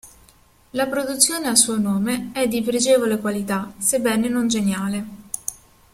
La produzione a suo nome è di pregevole qualità, sebbene non geniale.